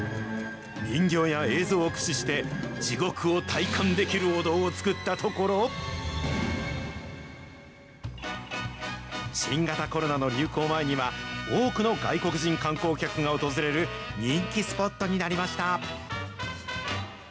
人形や映像を駆使して、地獄を体感できるお堂を作ったところ、新型コロナの流行前には、多くの外国人観光客が訪れる人気スポットになりました。